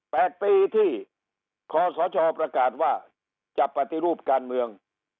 แปดปีที่คอสชประกาศว่าจะปฏิรูปการเมือง